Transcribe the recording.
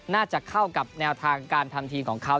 น่าจะเข้ากับแนวทางการทำทีมของเขา